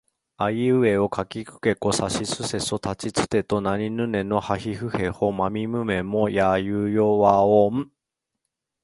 あいうえおかきくけこさしすせそたちつてとなにぬねのはひふへほまみむめもやゆよわをん